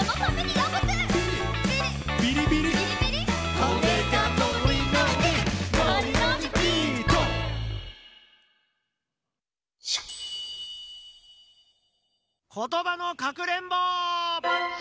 「ことばのかくれんぼ」！